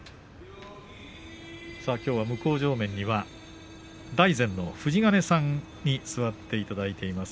きょう向正面には大善の富士ヶ根さんに座っていただいています。